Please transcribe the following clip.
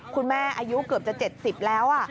คุณแม่อายุเกือบจะ๗๐แล้ว